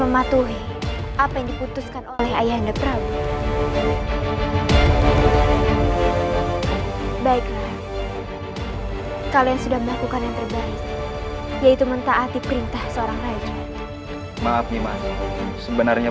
mengapa aku melihat puteraku sendiri aku ingin membunuhnya